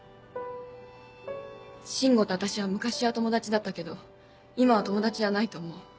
進吾と私は昔は友達だったけど今は友達じゃないと思う。